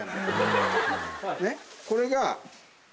これが。